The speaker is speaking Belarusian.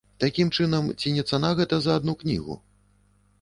Такім чынам, ці не цана гэта за адну кнігу?